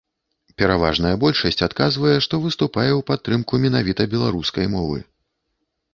Пераважная большасць адказвае, што выступае ў падтрымку менавіта беларускай мовы.